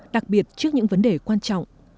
đặc biệt trước những vấn đề quan trọng